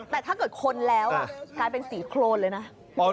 แต่ถ้าเกิดคนแล้วกลายเป็นสีโครนเลยนะ